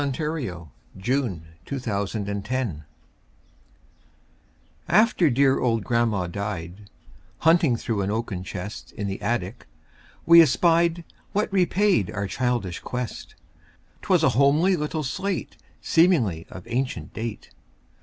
Eugene Field Little Homer's Slate AFTER dear old grandma died, Hunting through an oaken chest In the attic, we espied What repaid our childish quest; 'Twas a homely little slate, Seemingly of ancient date.